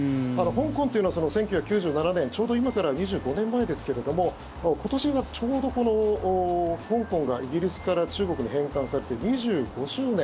香港というのは１９９７年ちょうど今から２５年前ですけど今年がちょうど香港がイギリスから中国に返還されて２５周年。